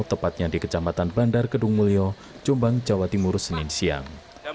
tepatnya di kecamatan bandar kedung mulyo jombang jawa timur senin siang